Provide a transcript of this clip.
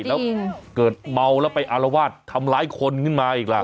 แล้วเกิดเมาแล้วไปอารวาสทำร้ายคนขึ้นมาอีกล่ะ